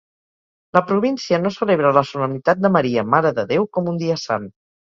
La província no celebra la solemnitat de Maria, Mare de Déu com un dia sant.